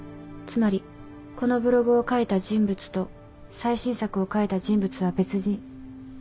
つまりこのブログを書いた人物と最新作を書いた人物は別人。